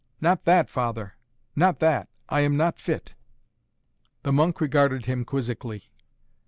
"Not that, father, not that! I am not fit!" The monk regarded him quizzically.